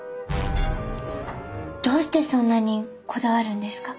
どうしてそんなにこだわるんですか？